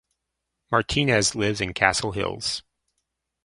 Martinez lives in Castle Hills.